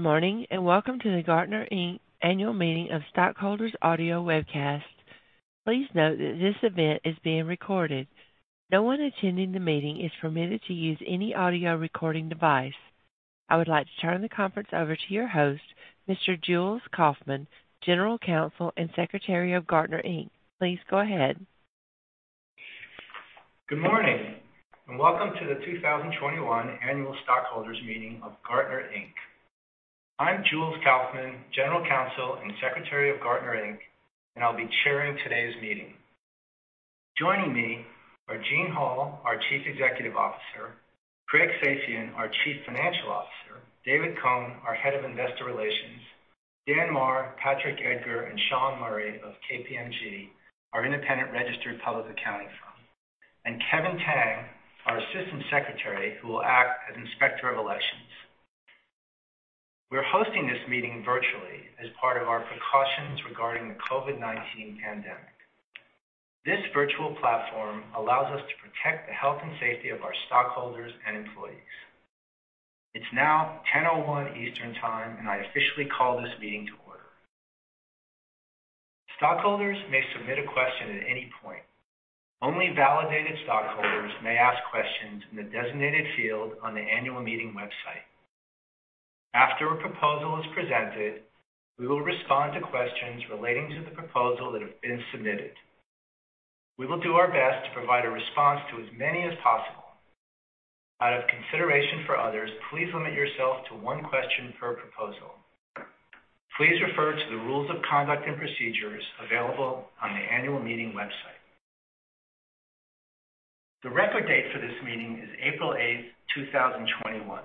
Good morning, and welcome to the Gartner, Inc. Annual Meeting of Stockholders audio webcast. Please note that this event is being recorded. No one attending the meeting is permitted to use any audio recording device. I would like to turn the conference over to your host, Mr. Jules Kaufman, General Counsel and Secretary of Gartner, Inc. Please go ahead. Good morning, welcome to the 2021 Annual Stockholders Meeting of Gartner, Inc. I'm Jules Kaufman, General Counsel and Secretary of Gartner, Inc., and I'll be chairing today's meeting. Joining me are Gene Hall, our Chief Executive Officer; Craig Safian, our Chief Financial Officer; David Cohen, our Head of Investor Relations; Dan Moore, Patrick Edgar, and Sean Murray of KPMG, our independent registered public accounting firm, and Kevin Tang, our Assistant Secretary, who will act as Inspector of Elections. We're hosting this meeting virtually as part of our precautions regarding the COVID-19 pandemic. This virtual platform allows us to protect the health and safety of our stockholders and employees. It's now 10:01 A.M. Eastern Time, and I officially call this meeting to order. Stockholders may submit a question at any point. Only validated stockholders may ask questions in the designated field on the annual meeting website. After a proposal is presented, we will respond to questions relating to the proposal that have been submitted. We will do our best to provide a response to as many as possible. Out of consideration for others, please limit yourself to one question per proposal. Please refer to the rules of conduct and procedures available on the Annual Meeting website. The record date for this meeting is April 8th, 2021.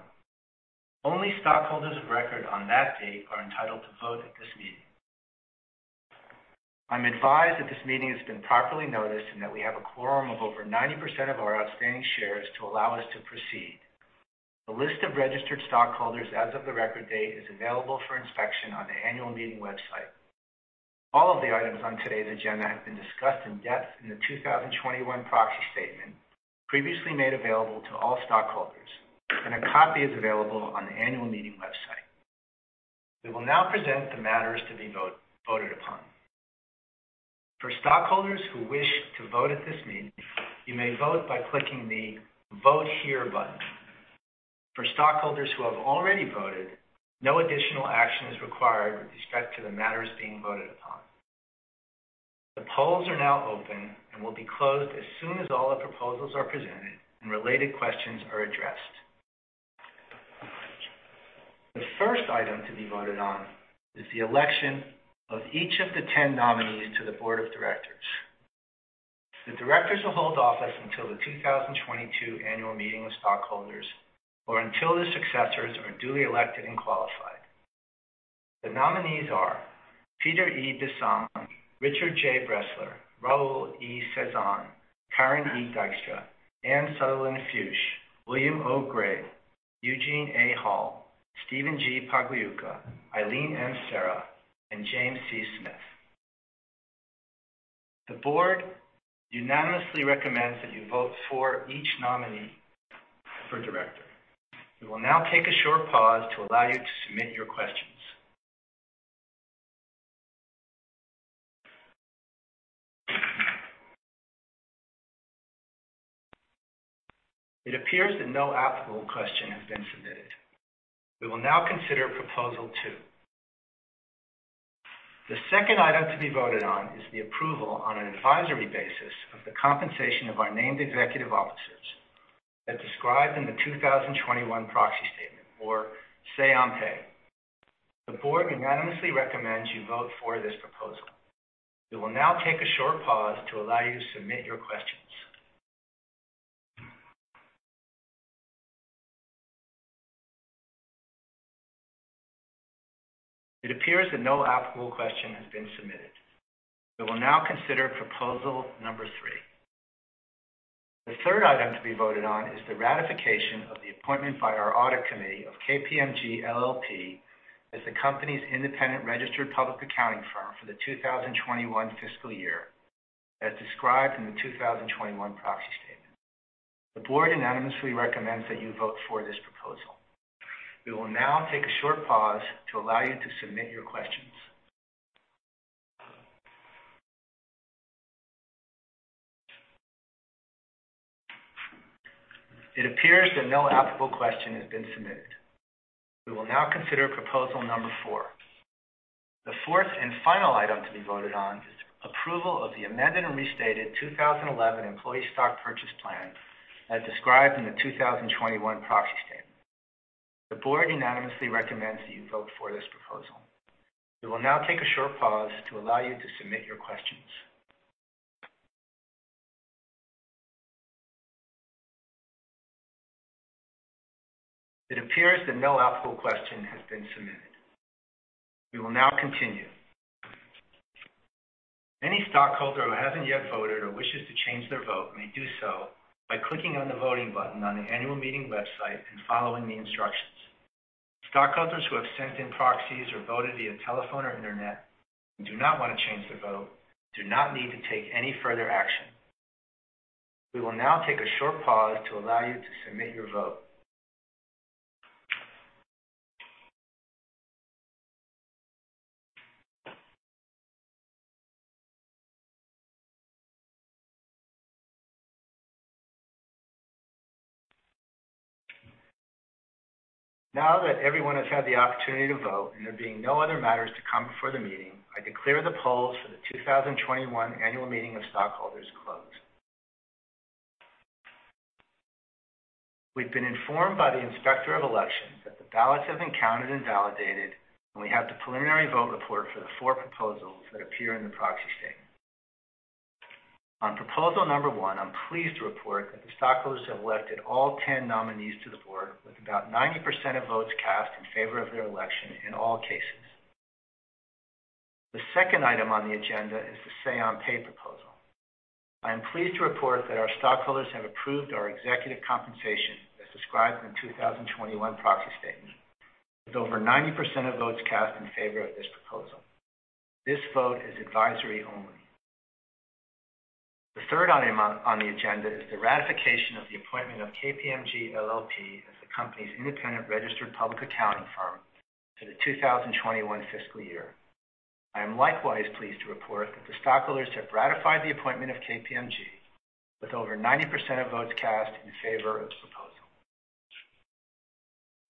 Only stockholders of record on that date are entitled to vote at this meeting. I'm advised that this meeting has been properly noticed and that we have a quorum of over 90% of our outstanding shares to allow us to proceed. A list of registered stockholders as of the record date is available for inspection on the Annual Meeting website. All of the items on today's agenda have been discussed in depth in the 2021 proxy statement previously made available to all stockholders, and a copy is available on the Annual Meeting website. We will now present the matters to be voted upon. For stockholders who wish to vote at this meeting, you may vote by clicking the Vote Here button. For stockholders who have already voted, no additional action is required with respect to the matters being voted upon. The polls are now open and will be closed as soon as all the proposals are presented and related questions are addressed. The first item to be voted on is the election of each of the 10 nominees to the Board of Directors. The Directors will hold office until the 2022 Annual Meeting with Stockholders or until their successors are duly elected and qualified. The nominees are Peter E. Bisson, Richard J. Bressler, Raul E. Cesan, Karen E. Dykstra, Anne Sutherland Fuchs, William O. Grabe, Eugene A. Hall, Stephen G. Pagliuca, Eileen M. Serra, and James C. Smith. The Board unanimously recommends that you vote for each nominee for Director. We will now take a short pause to allow you to submit your questions. It appears that no applicable question has been submitted. We will now consider proposal two. The second item to be voted on is the approval on an advisory basis of the compensation of our named executive officers as described in the 2021 proxy statement or say on pay. The Board unanimously recommends you vote for this proposal. We will now take a short pause to allow you to submit your questions. It appears that no applicable question has been submitted. We will now consider proposal number three. The third item to be voted on is the ratification of the appointment by our audit committee of KPMG LLP as the company's independent registered public accounting firm for the 2021 fiscal year, as described in the 2021 proxy statement. The Board unanimously recommends that you vote for this proposal. We will now take a short pause to allow you to submit your questions. It appears that no applicable question has been submitted. We will now consider proposal number four. The fourth and final item to be voted on is approval of the amended and restated 2011 Employee Stock Purchase Plan, as described in the 2021 proxy statement. The Board unanimously recommends that you vote for this proposal. We will now take a short pause to allow you to submit your questions. It appears that no applicable question has been submitted. We will now continue. Any stockholder who hasn't yet voted or wishes to change their vote may do so by clicking on the voting button on the Annual Meeting website and following the instructions. Stockholders who have sent in proxies or voted via telephone or internet and do not want to change their vote do not need to take any further action. We will now take a short pause to allow you to submit your vote. Now that everyone has had the opportunity to vote and there being no other matters to come before the meeting, I declare the polls for the 2021 Annual Meeting of Stockholders closed. We've been informed by the Inspector of Elections that the ballots have been counted and validated, and we have the preliminary vote report for the four proposals that appear in the proxy statement. On proposal number one, I'm pleased to report that the stockholders have elected all 10 nominees to the board with about 90% of votes cast in favor of their election in all cases. The second item on the agenda is the say on pay proposal. I am pleased to report that our stockholders have approved our executive compensation as described in the 2021 proxy statement with over 90% of votes cast in favor of this proposal. This vote is advisory only. The third item on the agenda is the ratification of the appointment of KPMG LLP as the company's independent registered public accounting firm for the 2021 fiscal year. I am likewise pleased to report that the stockholders have ratified the appointment of KPMG with over 90% of votes cast in favor of this proposal.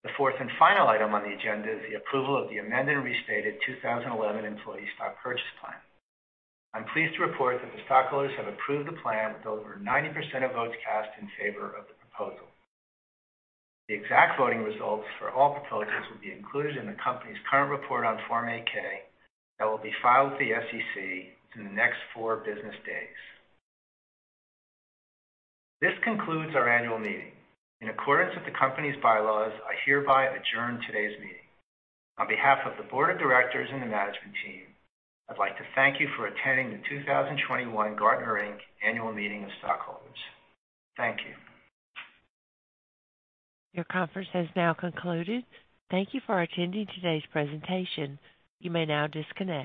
The fourth and final item on the agenda is the approval of the amended and restated 2011 Employee Stock Purchase Plan. I'm pleased to report that the stockholders have approved the plan with over 90% of votes cast in favor of the proposal. The exact voting results for all proposals will be included in the company's current report on Form 8-K that will be filed with the SEC in the next four business days. This concludes our Annual Meeting. In accordance with the company's bylaws, I hereby adjourn today's meeting. On behalf of the Board of Directors and the management team, I'd like to thank you for attending the 2021 Gartner, Inc. Annual Meeting of Stockholders. Thank you. Your conference has now concluded. Thank you for attending today's presentation. You may now disconnect.